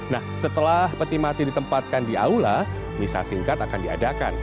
nah setelah peti mati ditempatkan di aula misa singkat akan diadakan